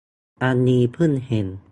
อันนี้เพิ่งเห็น